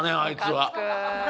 あいつは。